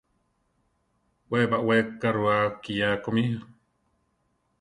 We baʼwée ka rua kiʼyá ko mí o.